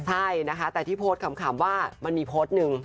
ใช่นะคะแต่ที่โพสต์ขำว่ามันมีโพสต์หนึ่ง